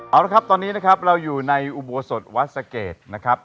เอาละครับตอนนี้นะครับเราอยู่ในอุโบสถวัดสะเกดนะครับ